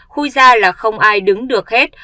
khui ra là không ai đứng được hết